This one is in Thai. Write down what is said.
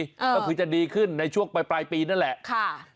ก็คือจะดีขึ้นในช่วงปลายปีนั่นแหละค่ะ